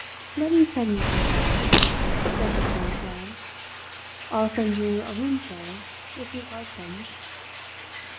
"Let me send you some flowers," said the strange man. "I'll send you a roomful if you'd like them."